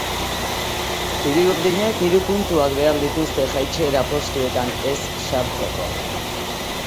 Txuri-urdinek hiru puntuak behar dituzte jaitsiera postuetan ez sartzeko.